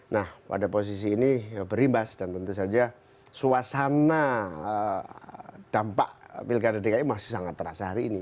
nah pada posisi ini berimbas dan tentu saja suasana dampak pilkada dki masih sangat terasa hari ini